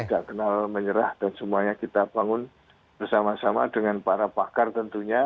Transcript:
tidak kenal menyerah dan semuanya kita bangun bersama sama dengan para pakar tentunya